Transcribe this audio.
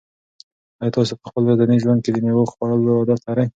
آیا تاسو په خپل ورځني ژوند کې د مېوو خوړلو عادت لرئ؟